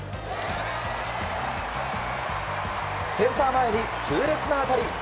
センター前に痛烈な当たり。